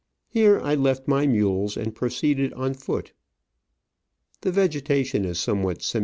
Here I left my mules and proceeded on foot. The vegetation is somewhat sem.